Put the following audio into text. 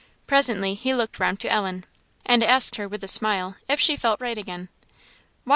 Presently he looked round to Ellen, and asked her, with a smile, if she felt right again. "Why?"